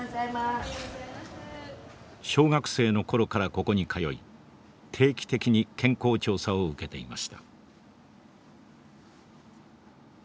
小学生の頃からここに通い定期的に健康調査を受けていました。